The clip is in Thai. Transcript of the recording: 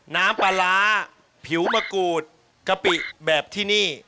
น้ำปลาร้าผิวมะกรูดกะปิแบบที่นี่